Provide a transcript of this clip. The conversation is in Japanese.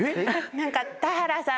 何か田原さん。